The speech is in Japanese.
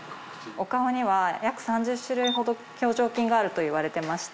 お顔には約３０種類ほど表情筋があるといわれてまして。